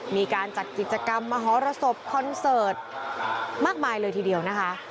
มีการจัดกิจกรรมมหรสบคอนเสิร์ตมากมายเลยทีเดียวนะคะ